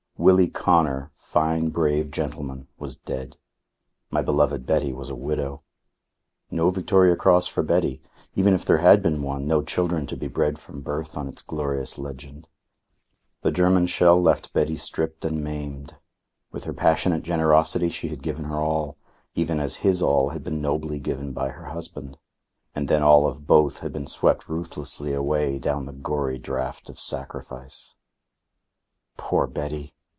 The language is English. Willie Connor, fine brave gentleman, was dead. My beloved Betty was a widow. No Victoria Cross for Betty. Even if there had been one, no children to be bred from birth on its glorious legend. The German shell left Betty stripped and maimed. With her passionate generosity she had given her all; even as his all had been nobly given by her husband. And then all of both had been swept ruthlessly away down the gory draught of sacrifice. Poor Betty!